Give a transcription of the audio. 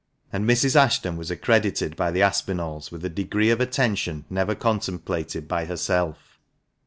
And Mrs. Ashton was accredited by the Aspinalls with a degree of attention never contemplated by herself.